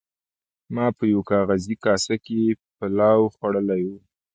ما په یوه کاغذي کاسه کې پلاو خوړلی و.